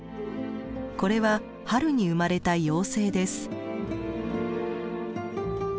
これは春に生まれた幼生です。